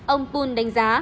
ông apul đánh giá